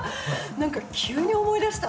何か急に思い出した。